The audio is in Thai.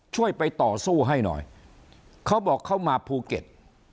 ช่วยไปต่อสู้ให้หน่อยเขาบอกเขามาภูเก็ต